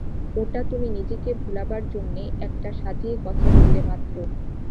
ওটা তুমি নিজেকে ভোলাবার জন্যে একটা সাজিয়ে কথা বললে মাত্র।